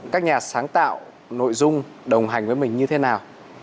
các nhà sáng tạo nội dung đồng hành với mình như thế nào